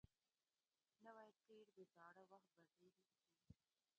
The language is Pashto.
نوی تېر د زاړه وخت بدیل وي